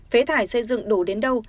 phế thải xây dựng đổ đến đâu